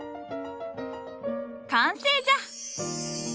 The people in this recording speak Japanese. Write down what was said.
完成じゃ！